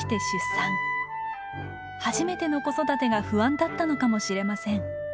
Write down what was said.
初めての子育てが不安だったのかもしれません。